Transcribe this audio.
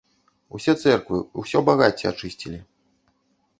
Усе цэрквы, усё багацце ачысцілі.